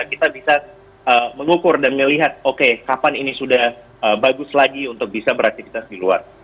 kita bisa mengukur dan melihat oke kapan ini sudah bagus lagi untuk bisa beraktivitas di luar